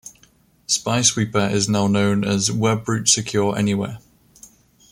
Spy Sweeper is now known as Webroot Secure Anywhere.